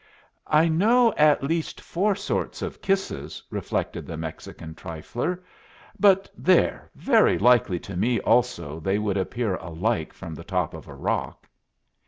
"I know at least four sorts of kisses," reflected the Mexican trifler. "But there! very likely to me also they would appear alike from the top of a rock."